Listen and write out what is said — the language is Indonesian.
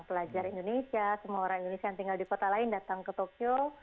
pelajar indonesia semua orang indonesia yang tinggal di kota lain datang ke tokyo